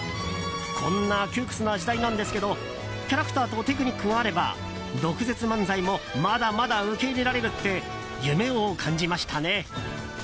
こんな窮屈な時代なんですけどキャラクターとテクニックがあれば毒舌漫才もまだまだ受け入れられるって夢を感じましたね。